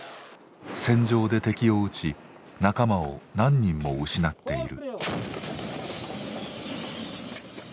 戦場で敵を撃ち仲間を何人も失っている。